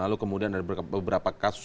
lalu kemudian ada beberapa kasus